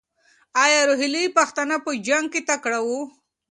ایا روهیلې پښتانه په جنګ کې تکړه وو؟